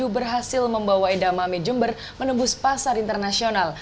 berhasil membawa edamame jember menembus pasar internasional